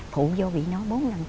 phụ vô bị nó bốn năm trăm tôi cũng vậy